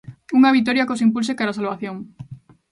Unha vitoria que os impulse cara a salvación.